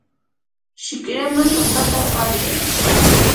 shikraman papata pallay.